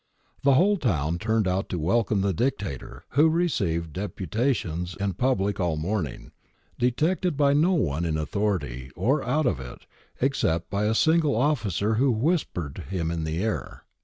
The whole town turned out to w^elcome 'the Dictator,' who received deputations in public all the morning, detected by no one in authority or out of it, except by a single officer who whispered him in the ear.